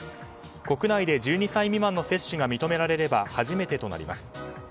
国内で１２歳未満の接種が認められれば初めてとなります。